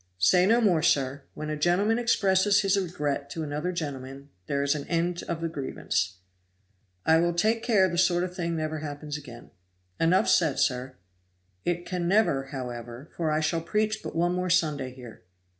"Say no more, sir. When a gentleman expresses his regret to another gentleman, there is an end of the grievance. "I will take care the sort of thing never happens again." "Enough said, sir." "It never can, however, for I shall preach but one more Sunday here."